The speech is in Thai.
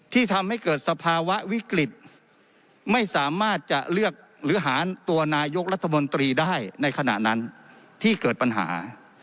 ที่ทำให้เกิดสภาวะวิกฤตไม่สามารถจะเลือกหรือหารตัวนายกรัฐมนตรีได้ในขณะนั้นที่เกิดปัญหา